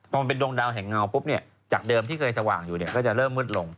พอมันเป็นดวงดาวแห่งเงาปุ๊บเนี่ยจากเดิมที่เคยสว่างอยู่เนี่ยก็จะเริ่มมืดลง